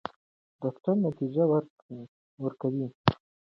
ډاکټره نتیجه ورکوي.